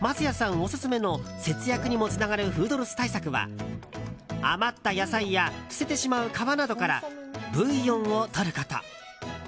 オススメの節約にもつながるフードロス対策は余った野菜や捨ててしまう皮などからブイヨンをとること。